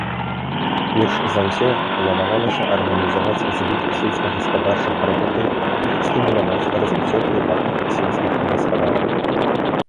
Перш за ўсё, планавалася арганізаваць збыт сельскагаспадарчых прадуктаў і стымуляваць развіццё прыватных сельскіх гаспадарак.